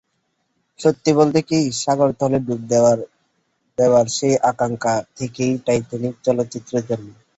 সত্যি বলতে কি, সাগরতলে ডুব দেওয়ার সেই আকাঙ্ক্ষা থেকেই টাইটানিক চলচ্চিত্রের জন্ম।